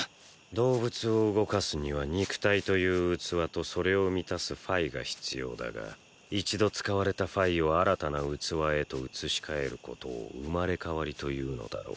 動物を動かすには肉体という器とそれを満たすファイが必要だが一度使われたファイを新たな器へと移し替えることを生まれ変わりと言うのだろう。